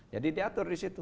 jadi diatur di situ